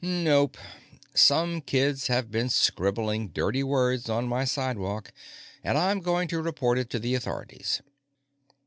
"Nope. Some kids have been scribbling dirty words on my sidewalk, and I'm going to report it to the authorities."